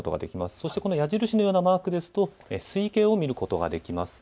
そして矢印のようなマークが水位計を見ることができます。